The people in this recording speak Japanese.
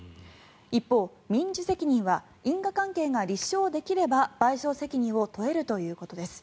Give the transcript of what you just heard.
一方、民事責任は因果関係が立証できれば賠償責任を問えるということです。